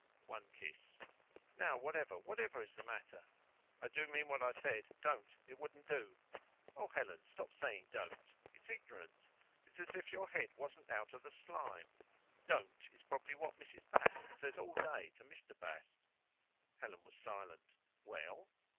(One kiss.) Now, whatever, whatever is the matter?" "I do mean what I said. Don't; it wouldn't do." "Oh, Helen, stop saying 'don't'! It's ignorant. It's as if your head wasn't out of the slime. 'Don't' is probably what Mrs. Bast says all the day to Mr. Bast." Helen was silent. "Well?"